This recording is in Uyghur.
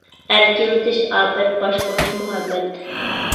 ئەركىلىتىش ئاپەت، باشقۇرۇش مۇھەببەت.